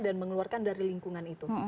mengeluarkan dari lingkungan itu